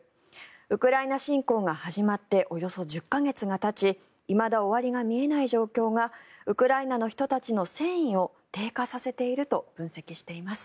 ウクライナ侵攻が始まっておよそ１０か月がたちいまだ終わりが見えない状況がウクライナの人たちの戦意を低下させていると分析しています。